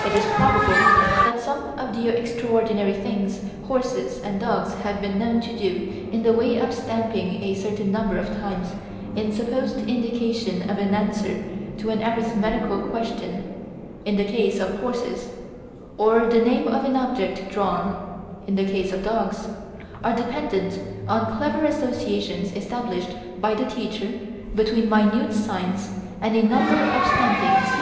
It is probable that some of the extraordinary things horses and dogs have been known to do in the way of stamping a certain number of times in supposed indication of an answer to an arithmetical question (in the case of horses), or of the name of an object drawn (in the case of dogs), are dependent on clever associations established by the teacher between minute signs and a number of stampings.